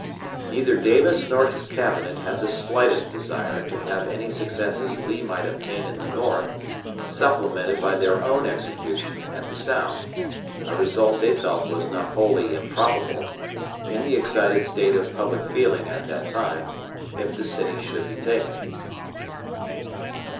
Neither Davis nor his cabinet had the slightest desire to have any successes Lee might obtain at the North supplemented by their own execution at the South, a result they felt was not wholly improbable, in the excited state of public feeling at that time, if the city should be taken.